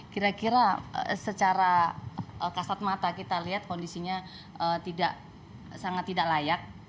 kira kira secara kasat mata kita lihat kondisinya tidak sangat tidak layak